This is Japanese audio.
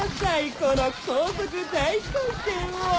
この高速大回転を！